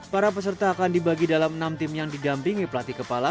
para peserta akan dibagi dalam enam tim yang didampingi pelatih kepala